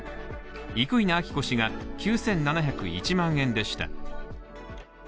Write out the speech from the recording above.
生稲晃子氏が９７０１万円でした。